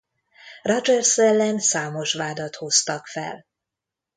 Rogers ellen számos vádat hoztak fel.